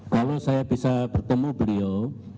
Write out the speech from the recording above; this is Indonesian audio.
kalau saya bisa bertemu beliau